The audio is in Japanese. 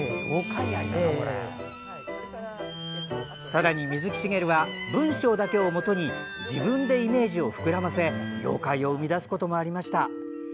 さらに、水木しげるは文章だけをもとに自分でイメージを膨らませ妖怪を生み出すこともありました。